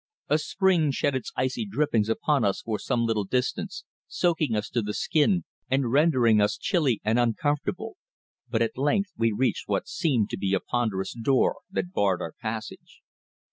A spring shed its icy drippings upon us for some little distance, soaking us to the skin and rendering us chilly and uncomfortable, but at length we reached what seemed to be a ponderous door that barred our passage.